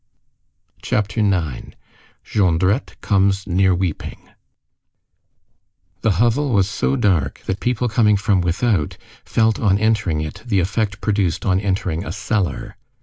CHAPTER IX—JONDRETTE COMES NEAR WEEPING The hovel was so dark, that people coming from without felt on entering it the effect produced on entering a cellar.